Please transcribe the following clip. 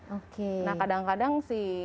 oke nah kadang kadang